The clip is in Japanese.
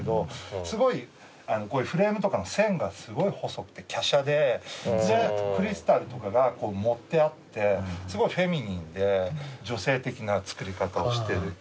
すごいこういうフレームとかの線がすごい細くてきゃしゃでクリスタルとかがこう盛ってあってすごいフェミニンで女性的な作り方をしてる。